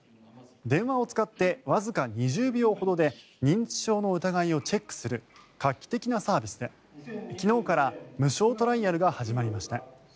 電話を使ってわずか２０秒ほどで認知症の疑いをチェックする画期的なサービスで昨日から無償トライアルが始まりました。